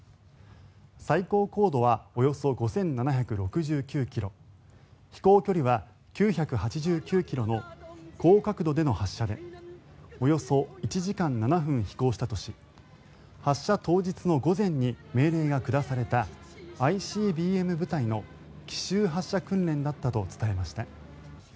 最高高度はおよそ５７６９ｋｍ飛行距離は９８９ｋｍの高角度での発射でおよそ１時間７分飛行したとし発射当日の午前に命令が下されたＩＣＢＭ部隊の奇襲発射訓練だったと伝えました。